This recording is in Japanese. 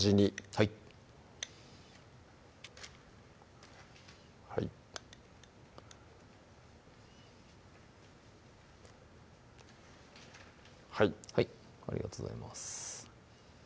はいはいはいありがとうございます